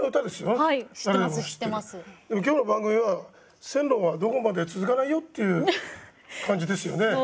でも今日の番組は線路はどこまでも続かないよっていう感じですよね。